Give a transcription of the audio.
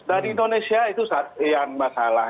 dari indonesia itu yang masalah